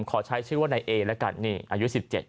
ขอใช้ชื่อว่านายเอละกันนี่อายุ๑๗